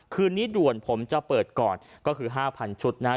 คืนนี้ด่วนผมจะเปิดก่อนก็คือ๕๐๐ชุดนะครับ